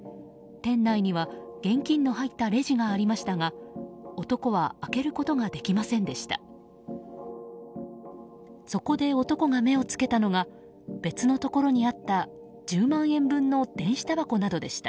店内には現金の入ったレジがありましたが男は開けることができませんでした。